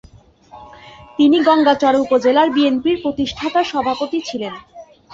তিনি গংগাচড়া উপজেলার বিএনপির প্রতিষ্ঠাতা সভাপতি ছিলেন।